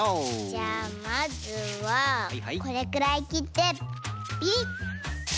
じゃまずはこれくらいきってビリッピ。